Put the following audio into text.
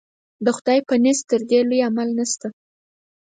د خدای په نزد تر دې لوی عمل نشته.